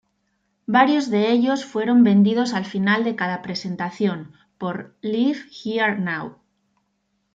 Varios de ellos fueron vendidos al final de cada presentación, por Live Here Now.